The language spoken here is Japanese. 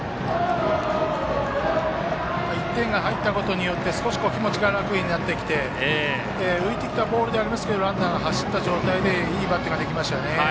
１点が入ったことによって少し気持ちが楽になってきて浮いてきたボールではありますがランナーが走った状態でいいバッティングができましたね。